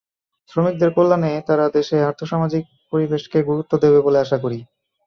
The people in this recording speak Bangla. শ্রমিকদের কল্যাণে তারা দেশে আর্থসামাজিক পরিবেশকে গুরুত্ব দেবে বলে আশা করি।